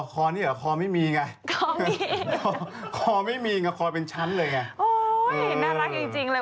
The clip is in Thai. คอคอนี่เหรอคอไม่มีไงคอเป็นฉันเลยไงโอ้ยน่ารักจริงเลย